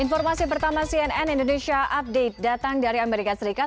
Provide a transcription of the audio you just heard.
informasi pertama cnn indonesia update datang dari amerika serikat